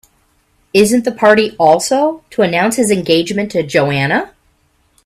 Isn't the party also to announce his engagement to Joanna?